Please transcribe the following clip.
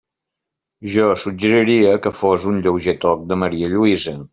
Jo suggeriria que fos un lleuger toc de marialluïsa.